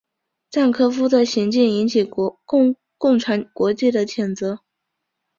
赞科夫的行径引起共产国际的谴责。